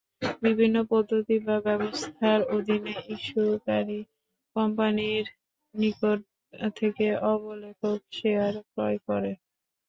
বিভিন্ন পদ্ধতি বা ব্যবস্থার অধীনে ইস্যুকারী কোম্পানির নিকট থেকে অবলেখক শেয়ার ক্রয় করে।